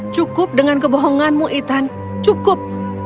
cukup dengan kebohonganmu ithan cukup